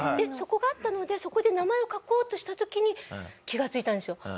そこがあったのでそこで名前を書こうとした時に気がついたんですよ。